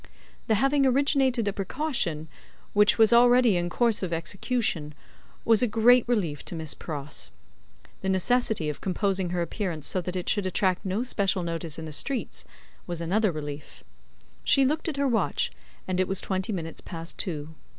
The having originated a precaution which was already in course of execution, was a great relief to Miss Pross. The necessity of composing her appearance so that it should attract no special notice in the streets, was another relief. She looked at her watch, and it was twenty minutes past two.